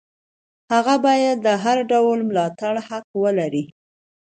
هغه باید د هر ډول ملاتړ حق ولري.